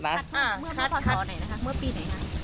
เมื่อพระศร้อไหนมีปีไหน